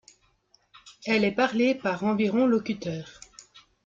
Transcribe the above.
Elle est parlée par environ locuteurs.